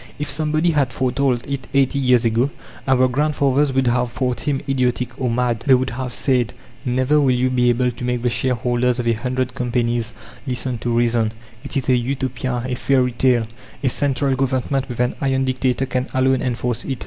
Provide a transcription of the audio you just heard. If somebody had foretold it eighty years ago, our grandfathers would have thought him idiotic or mad. They would have said: "Never will you be able to make the shareholders of a hundred companies listen to reason! It is a Utopia, a fairy tale. A central Government, with an 'iron' dictator, can alone enforce it."